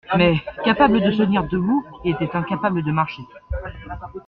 Mais, capable de se tenir debout, il était incapable de marcher.